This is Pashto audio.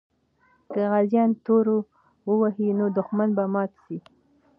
که غازیان تورو وهي، نو دښمن به مات سي.